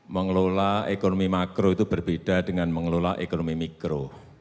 mengelola ekonomi makro itu berbeda dengan mengelola ekonomi mikro